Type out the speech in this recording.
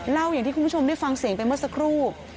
อย่างที่คุณผู้ชมได้ฟังเสียงไปเมื่อสักครู่